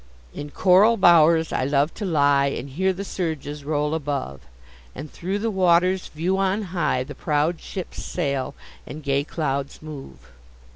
In coral bow'rs I love to lie, And hear the surges roll above, And through the waters view on high The proud ships sail, and gay clouds move.